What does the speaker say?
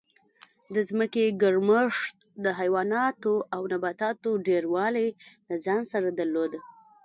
د ځمکې ګرمښت د حیواناتو او نباتاتو ډېروالی له ځان سره درلود